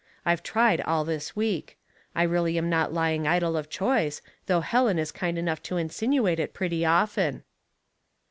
I've tried all this week. I really am not lying idle of choice, though Helen is kind enough to insinuate it pretty often."